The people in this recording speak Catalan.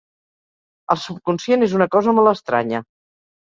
El subconscient és una cosa molt estranya.